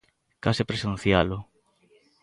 Case presencialo.